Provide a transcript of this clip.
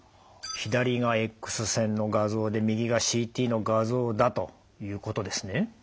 左がエックス線の画像で右がＣＴの画像だということですね。